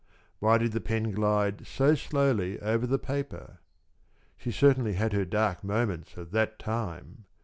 Why did the pen glide so slowly over the paper? She certainly had her dark moments at that time!